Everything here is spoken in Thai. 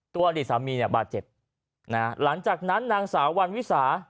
อดีตสามีเนี่ยบาดเจ็บนะฮะหลังจากนั้นนางสาววันวิสา